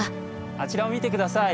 あちらを見て下さい。